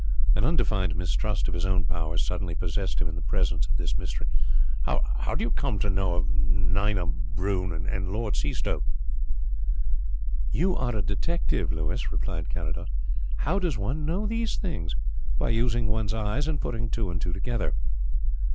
An undefined mistrust of his own powers suddenly possessed him in the presence of this mystery. "How do you come to know of Nina Brun and Lord Seastoke?" "You are a detective, Louis," replied Carrados. "How does one know these things? By using one's eyes and putting two and two together."